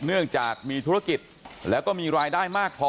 เนื่องจากมีธุรกิจแล้วก็มีรายได้มากพอ